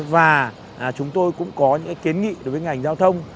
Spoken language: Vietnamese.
và chúng tôi cũng có những kiến nghị đối với ngành giao thông